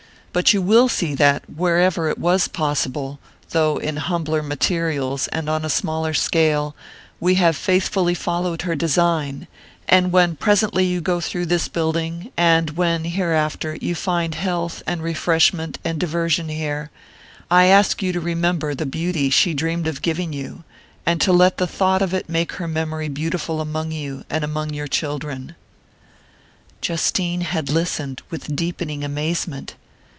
But you will see that, wherever it was possible though in humbler materials, and on a smaller scale we have faithfully followed her design; and when presently you go through this building, and when, hereafter, you find health and refreshment and diversion here, I ask you to remember the beauty she dreamed of giving you, and to let the thought of it make her memory beautiful among you and among your children...." Justine had listened with deepening amazement.